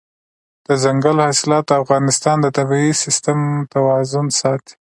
دځنګل حاصلات د افغانستان د طبعي سیسټم توازن ساتي.